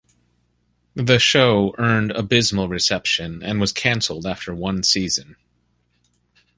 The show earned abysmal reception and was cancelled after one season.